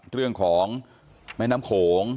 เรื่องของแม่น้ำโขง